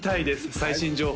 最新情報